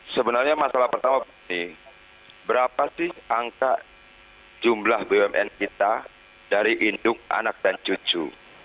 sebenarnya masalah pertama begini berapa sih angka jumlah bumn kita dari induk anak dan cucu